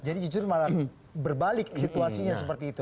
jadi jujur malah berbalik situasinya seperti itu